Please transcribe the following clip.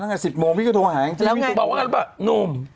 แล้วไงก็๑๐โมงพี่ก็ถูกกำแหนาอังตรีกว่านุ่ม